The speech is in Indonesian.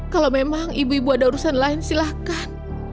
kalau memang ibu ibu ada urusan lain silahkan